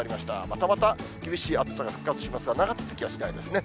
またまた厳しい暑さが復活しますが、長続きはしないですね。